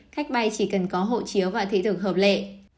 khách bay chỉ cần có hộ chiếu và thị thực hợp lệ